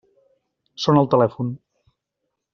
Sona el telèfon.